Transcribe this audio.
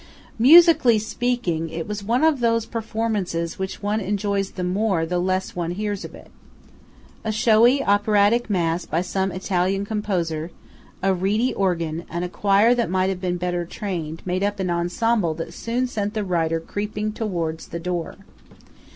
Musically speaking, it was one of those performances which one enjoys the more the less one hears of it. A showy operatic mass by some modern Italian composer, a reedy organ, and a choir that might have been better trained, made up an ensemble that soon sent the writer creeping towards the door.